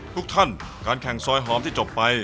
ทุกท่านการแข่งซอยหอมที่จบไป